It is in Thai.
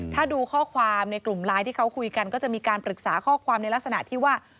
ถ้าดูข้อความในกลุ่มไลน์ที่เขาคุยกันก็จะมีการปรึกษาข้อความในลักษณะที่ว่า